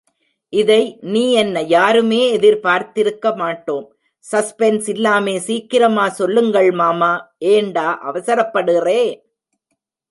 இதை நீ என்ன யாருமே எதிர்பார்த்திருக்க மாட்டோம்! சஸ்பென்ஸ் இல்லாமே சீக்கிரமா சொல்லுங்கள் மாமா! ஏண்டா அவசரப்படறே!